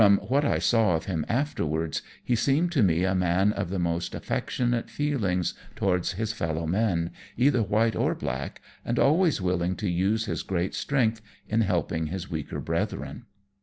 69 what I saw of him afterwards, he seemed to me a man of the most affectionate feelings towards his fellow men, either white or hlack, and always willing to use his great strength in helping his weaker brethren.